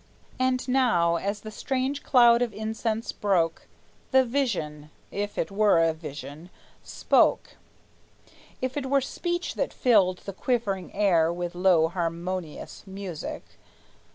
And now, as the strange cloud of incense broke, The vision, if it were a vision, spoke, If it were speech that filled the quivering air With low harmonious music.